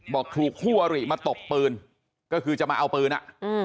บอกถูกคู่อริมาตบปืนก็คือจะมาเอาปืนอ่ะอืม